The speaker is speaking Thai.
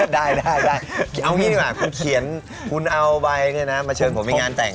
ได้ได้เอางี้ดีกว่าคุณเขียนคุณเอาใบมาเชิญผมไปงานแต่ง